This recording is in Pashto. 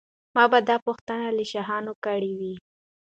ما به دا پوښتنه له شاهانو کړې وي.